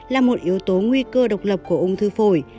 là một yếu tố nguy cơ độc lập của ung thư phổi